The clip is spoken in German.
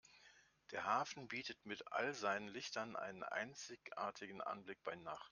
Der Hafen bietet mit all seinen Lichtern einen einzigartigen Anblick bei Nacht.